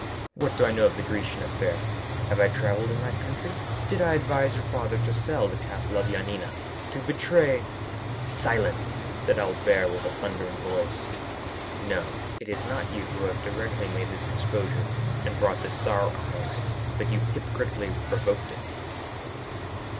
What do I know of the Grecian affair? Have I travelled in that country? Did I advise your father to sell the castle of Yanina—to betray——" "Silence!" said Albert, with a thundering voice. "No; it is not you who have directly made this exposure and brought this sorrow on us, but you hypocritically provoked it."